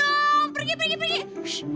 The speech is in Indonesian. eh anjing yang di situ dong